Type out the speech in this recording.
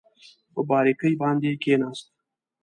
په بارکي باندې کېناست.